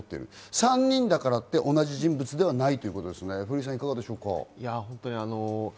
３人だからって同じ人物ではないということですね、古井さん。